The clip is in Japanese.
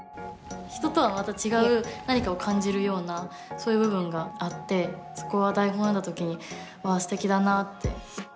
人とはまた違う何かを感じるようなそういう部分があってそこは台本を読んだ時にわあすてきだなって。